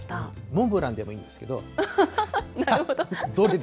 モンブランでもいいんですけど。